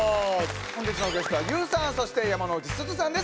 本日のゲストはＹＯＵさんそして山之内すずさんです。